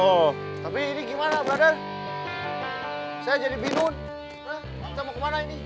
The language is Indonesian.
oh tapi ini gimana brother saya jadi binun kita mau kemana ini